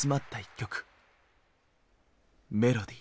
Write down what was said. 「メロディー」。